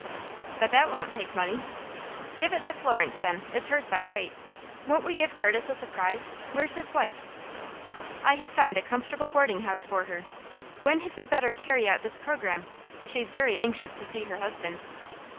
"But that won't take money." "Give it to Florence, then. It's hers by rights. Won't we give Curtis a surprise? Where's his wife?" "I have found a comfortable boarding house for her. When had we better carry out this programme? She's very anxious to see her husband."